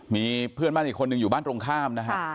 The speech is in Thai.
มีเพื่อนบ้านอีกคนนึงอยู่บ้านตรงข้ามนะฮะ